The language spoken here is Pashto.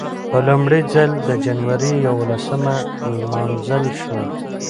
په لومړي ځل د جنورۍ یولسمه نمانځل شوه.